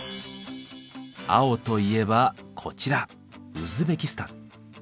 青といえばこちらウズベキスタン。